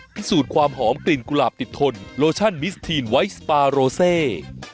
พิสูจน์ความหอมกลิ่นกุหลาบติดทนโลชั่นมิสทีนไวท์สปาโรเซ